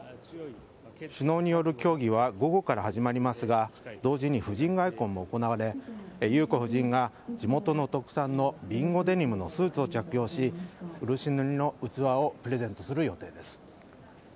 首脳による協議は午後から始まりますが同時に夫人外交も行われ裕子夫人が地元の特産の備後デニムのスーツを着用し漆塗りの器をプレゼントする予定です。